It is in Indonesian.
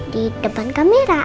di depan kamera